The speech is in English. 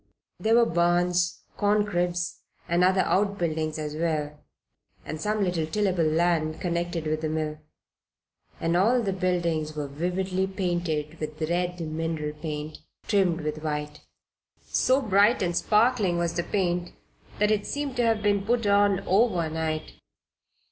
There were barns, corn cribs and other outbuildings as well, and some little tillable land connected with the mill; and all the buildings were vividly painted with red mineral paint, trimmed with white. So bright and sparkling was the paint that it seemed to have been put on over night.